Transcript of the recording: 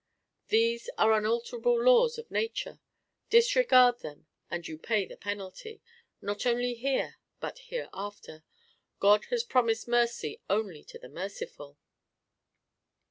These are unalterable laws of nature; disregard them and you pay the penalty, not only here but hereafter. God has promised mercy only to the merciful."